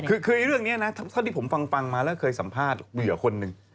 คือเรื่องนี้นะเท่าที่ผมฟังมาแล้วเคยสัมภาษณ์เหยื่อคนหนึ่ง